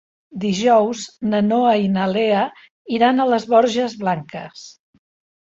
Dijous na Noa i na Lea iran a les Borges Blanques.